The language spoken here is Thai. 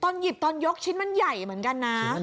หยิบตอนยกชิ้นมันใหญ่เหมือนกันนะ